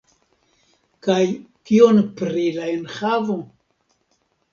Kaj kion pri la enhavo?